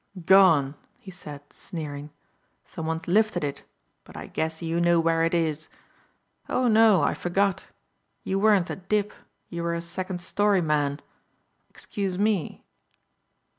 "Gone!" he said sneering; "some one's lifted it but I guess you know where it is. Oh no, I forgot. You weren't a dip, you were a second story man. Excuse me."